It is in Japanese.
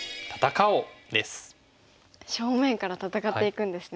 正面から戦っていくんですね。